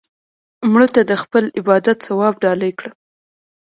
مړه ته د خپل عبادت ثواب ډالۍ کړه